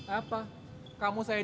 apa kamu saya dis